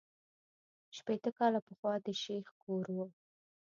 شپېته کاله پخوا د شیخ کور وو.